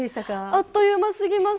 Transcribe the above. あっという間すぎます。